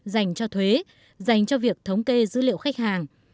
dành cho thuế dành cho việc thống kê dữ liệu khách hàng